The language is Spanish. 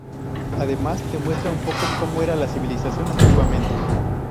Además te muestra un poco cómo era la civilización antiguamente.